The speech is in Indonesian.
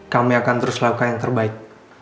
kami akan terus lakukan yang terbaik